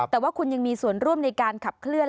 แต่ว่าคุณยังมีส่วนร่วมในการขับเคลื่อน